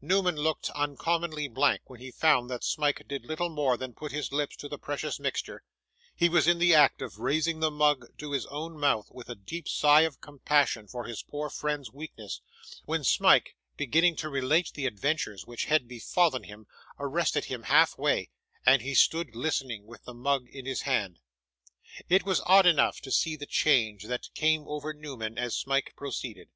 Newman looked uncommonly blank when he found that Smike did little more than put his lips to the precious mixture; he was in the act of raising the mug to his own mouth with a deep sigh of compassion for his poor friend's weakness, when Smike, beginning to relate the adventures which had befallen him, arrested him half way, and he stood listening, with the mug in his hand. It was odd enough to see the change that came over Newman as Smike proceeded.